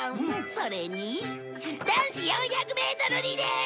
それに男子４００メートルリレー！